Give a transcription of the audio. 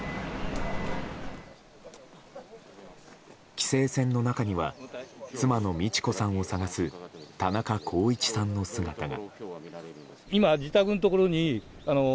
規制線の中には妻の路子さんを捜す田中公一さんの姿が。